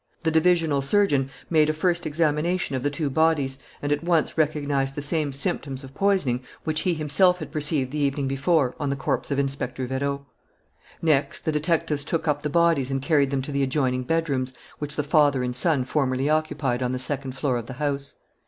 The divisional surgeon made a first examination of the two bodies and at once recognized the same symptoms of poisoning which he himself had perceived, the evening before, on the corpse of Inspector Vérot. Next, the detectives took up the bodies and carried them to the adjoining bedrooms which the father and son formerly occupied on the second floor of the house.